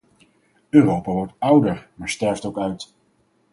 Europa wordt ouder maar sterft ook uit.